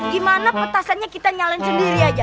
gimana petasannya kita nyalon sendiri aja